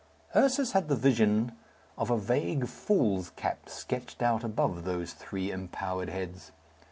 Ursus had the vision of a vague fool's cap sketched out above those three empowered heads.